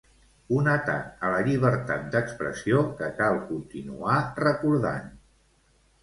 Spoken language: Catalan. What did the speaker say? Un atac a la llibertat d'expressió que cal continuar recordant.